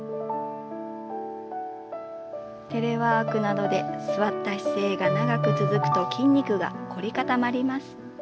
テレワークなどで座った姿勢が長く続くと筋肉が凝り固まります。